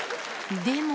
でも